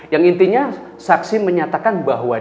yang intinya saksi menyatakan bahwa